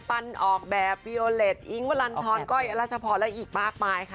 ปันออกแบบฟิโอเลสอิงวลันทรก้อยรัชพรและอีกมากมายค่ะ